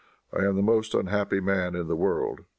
I am the most unhappy man in the world."